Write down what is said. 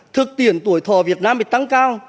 thực tiện tuổi thò việt nam bị tăng cao